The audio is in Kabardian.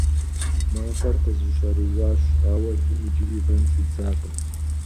МафӀэр къызэщӀэрыуащ, ауэ лым иджыри вэн щӀидзакъым.